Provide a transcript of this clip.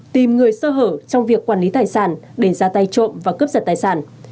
tìm người sơ hở trong việc quản lý tài sản để ra tay trộm và cướp giật tài sản